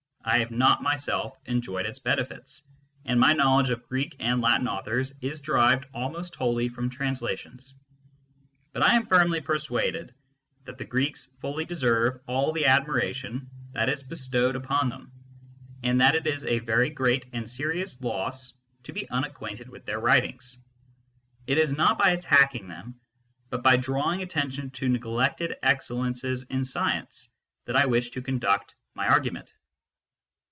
I have not myself enjoyed its benefits, and my knowledge of Greek and Latin authors is derived almost wholly from translations. But I am firmly persuaded that the Greeks fully deserve all the admiration that is bestowed upon them, and that it is a very great and serious loss to be unacquainted with their writings. It is not by attacking them, but by drawing attention to neglected excellences in science, that I wish to conduct my argument.